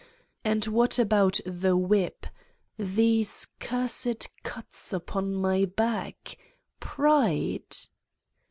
And what about the whip ? These cursed cuts upon my back? Pride?